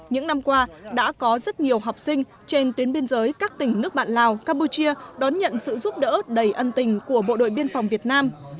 những năm qua đã có rất nhiều học sinh trên tuyến biên giới các tỉnh nước bạn lào campuchia đón nhận sự giúp đỡ đầy ân tình của bộ đội biên phòng việt nam